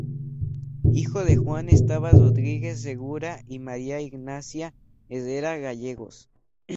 Hijo de Juan Esteban Rodríguez Segura y María Ignacia Herrera Gallegos.